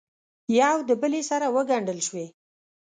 یو دبلې سره وګنډل شوې